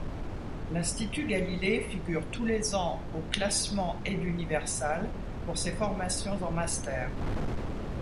L'Institut Galilée figure tous les ans au classement Eduniversal pour ses formations en master.